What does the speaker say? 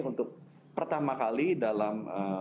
untuk pertama kali dalam